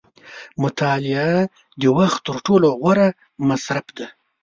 • مطالعه د وخت تر ټولو غوره مصرف دی.